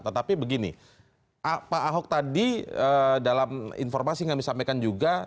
tetapi begini pak hock tadi dalam informasi yang disampaikan juga